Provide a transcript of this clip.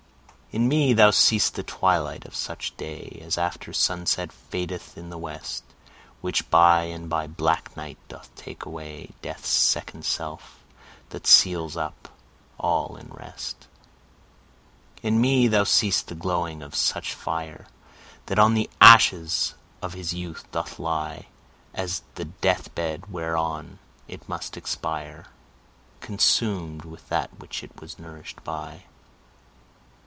In me thou see'st the twilight of such day As after sunset fadeth in the west; Which by and by black night doth take away, Death's second self, that seals up all in rest. In me thou see'st the glowing of such fire, That on the ashes of his youth doth lie, As the death bed, whereon it must expire, Consum'd with that which it was nourish'd by.